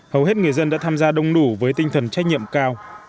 hầu hết người dân đã tham gia đông đủ với tinh thần trách nhiệm cao